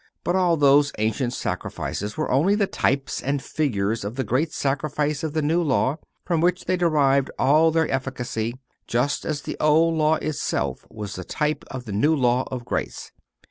But all those ancient sacrifices were only the types and figures of the great Sacrifice of the New Law, from which they derived all their efficacy, just as the Old Law itself was the type of the New Law of grace.